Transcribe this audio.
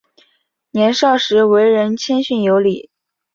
年少时为人谦逊有礼。